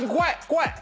怖い！